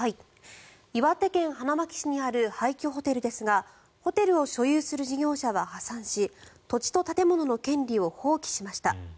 岩手県花巻市にある廃虚ホテルですがホテルを所有する事業者は破産し土地と建物の権利を放棄しました。